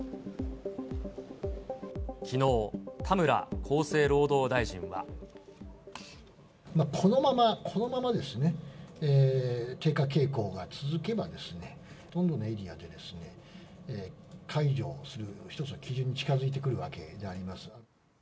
きのう、このまま、このままですね、低下傾向が続けばですね、ほとんどのエリアで、解除する一つの基準に近づいてくるわけであります。